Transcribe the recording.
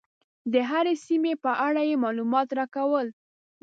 د هرې سیمې په اړه یې معلومات راکول.